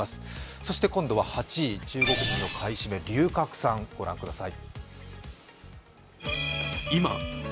そして今度は８位、中国人の買い占め、龍角散、ご覧ください。